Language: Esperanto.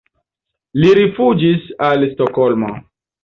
Li rifuĝis al Stokholmo.